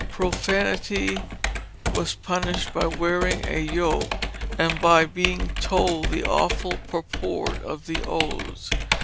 Profanity was punished by wearing a yoke, and being told the awful purport of the oaths.